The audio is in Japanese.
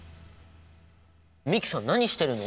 美樹さん何してるの？